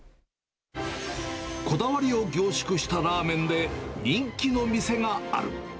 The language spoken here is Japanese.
こだわりを凝縮したラーメンで、人気の店がある。